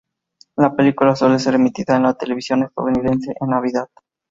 La película suele ser emitida en la televisión estadounidense en Navidad.